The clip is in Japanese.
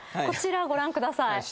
こちらご覧ください。